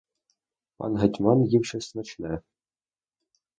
Пан гетьман їв щось смачне.